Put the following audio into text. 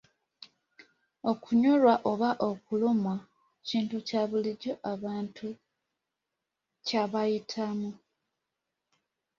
Okunyolwa oba okulumwa kintu kya bulijjo abantu kya bayitamu.